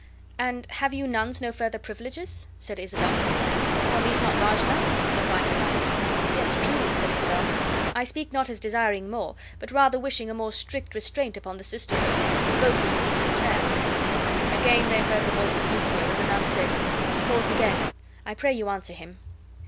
"And have you nuns no further privileges?" said Isabel. "Are not these large enough?" replied the nun. "Yes, truly," said Isabel. "I speak not as desiring more, but rather wishing a more strict restraint upon the sisterhood, the votarists of Saint Clare." Again they heard the voice of Lucio, and the nun said: "He calls again. I pray you answer him."